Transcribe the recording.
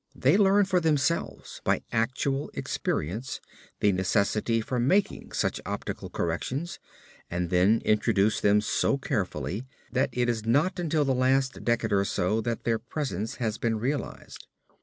They learned for themselves by actual experience the necessity for making such optical corrections and then introduced them so carefully, that it is not until the last decade or so that their presence has been realized.